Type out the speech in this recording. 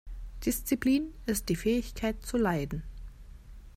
Disziplin ist die Fähigkeit zu leiden.